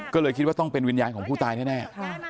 ก็เลยคิดว่าต้องเป็นวิญญาณของผู้ตายแน่